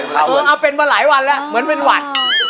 เมืองเอาเป็นมาหลายวันแล้วเหมือนเป็นหวัด